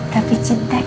tapi cinta kan